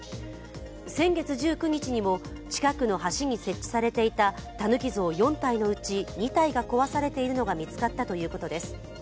先月１９日にも近くの橋に設置されていたたぬき像４体のうち２体が壊されているのが見つかったということです。